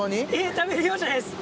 食べる用じゃないです。